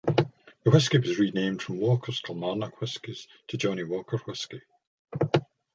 The whisky was renamed from Walker's Kilmarnock Whiskies to Johnnie Walker Whisky.